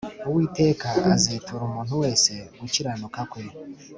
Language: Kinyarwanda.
Uwiteka azitura umuntu wese gukiranuka kwe